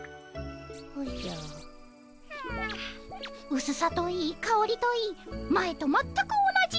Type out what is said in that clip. うすさといいかおりといい前と全く同じ！